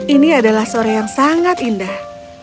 ini adalah sore yang sangat indah